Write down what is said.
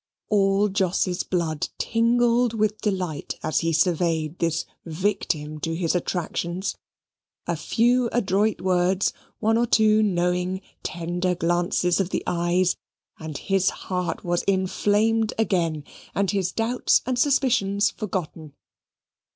All Jos's blood tingled with delight, as he surveyed this victim to his attractions. A few adroit words, one or two knowing tender glances of the eyes, and his heart was inflamed again and his doubts and suspicions forgotten.